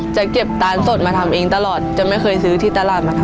จะเก็บตาลสดมาทำเองตลอดจะไม่เคยซื้อที่ตลาดมาค่ะ